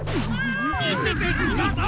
みせてください！